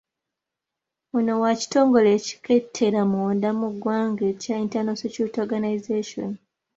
Ono wa kitongole ekikettera munda mu ggwanga ekya Internal Security Organisation.